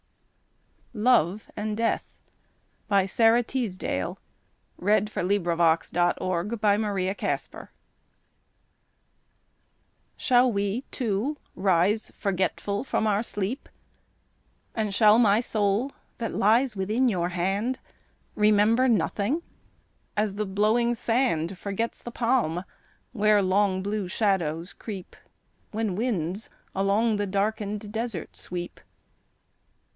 o' heaven's bars, It heard God's voice that bade it down to earth. Love and Death Shall we, too, rise forgetful from our sleep, And shall my soul that lies within your hand Remember nothing, as the blowing sand Forgets the palm where long blue shadows creep When winds along the darkened desert sweep?